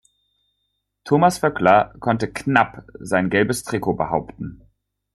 Thomas Voeckler konnte knapp sein Gelbes Trikot behaupten.